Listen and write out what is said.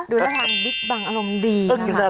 ดูระดับบิ๊กบังอารมณ์ดีนะคะ